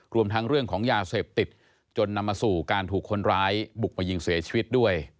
รวมทั้งเรื่องของยาเสพติดจนนำมาสู่การถูกคนร้ายบุกมายิงเสียชีวิตด้วย